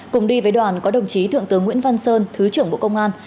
cùng đi với đoàn có đồng chí thượng tướng nguyễn văn sơn thứ trưởng bộ công an